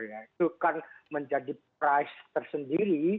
itu kan menjadi price tersendiri